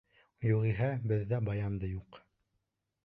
Юғиһә беҙҙә баян да юҡ.